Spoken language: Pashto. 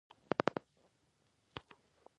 په درې سوه یو کال کې یو فرمان صادر کړ.